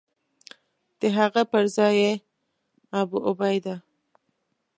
د هغه پر ځای یې ابوعبیده.